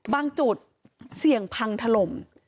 บางจุดเสี่ยงพังถล่ม